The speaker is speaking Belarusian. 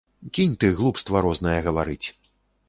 Кінь ты глупства рознае гаварыць.